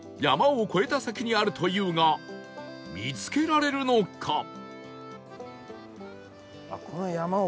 山を越えた先にあるというが見つけられるのか？